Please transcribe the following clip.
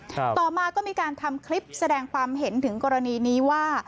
ต่อมาก็มีการทำคลิปแสดงความเห็นถึงกรณีนี้ว่า